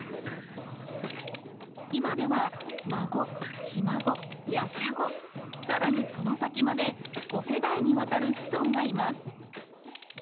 今では、孫、ひ孫、やしゃご、さらにその先まで、５世代にわたる子孫がいます。